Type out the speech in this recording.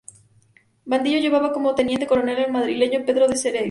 Badillo llevaba como teniente coronel al madrileño Pedro de Heredia.